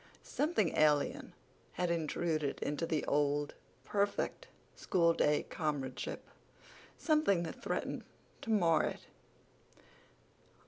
Something alien had intruded into the old, perfect, school day comradeship—something that threatened to mar it.